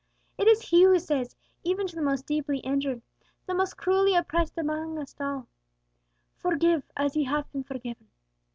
It is He who says, even to the most deeply injured, the most cruelly oppressed amongst us all, 'Forgive, as ye have been forgiven.'